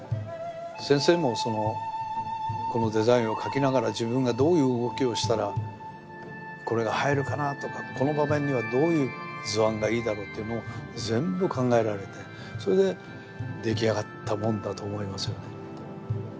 先生もこのデザインを描きながら自分がどういう動きをしたらこれが映えるかなとかこの場面にはどういう図案がいいだろうというのを全部考えられてそれで出来上がったものだと思いますよね。